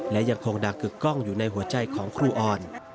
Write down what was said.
และยังคงดังกึกกล้องอยู่ในหัวใจของครูออน